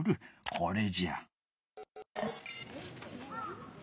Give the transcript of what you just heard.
これじゃ。